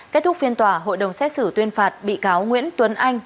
kết thúc phiên tòa hội đồng xét xử tuyên phạt bị cáo nguyễn tuấn anh